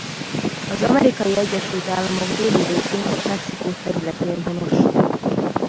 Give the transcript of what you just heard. Az Amerikai Egyesült Államok déli részén és Mexikó területén honos.